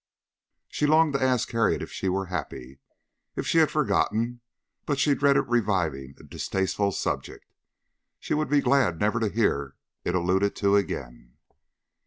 She longed to ask Harriet if she were happy, if she had forgotten; but she dreaded reviving a distasteful subject. She would be glad never to hear it alluded to again.